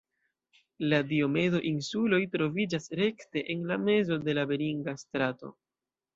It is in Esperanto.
La Diomedo-insuloj troviĝas rekte en la mezo de la Beringa Strato.